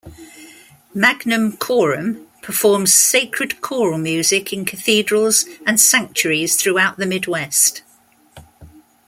Magnum Chorum performs sacred choral music in cathedrals and sanctuaries throughout the Midwest.